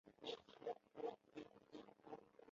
她是明朝书法家吕伯懿后裔。